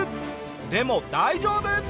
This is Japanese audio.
でも大丈夫！